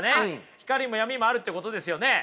光も闇もあるってことですよね。